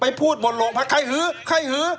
พูดบนโรงพักใครหือใครหือ